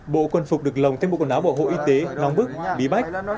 bộ quân phục được lồng thêm bộ quần áo bộ hộ y tế đóng bức bí bách